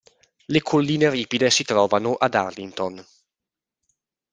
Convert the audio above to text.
Le colline ripide si trovano ad Arlington.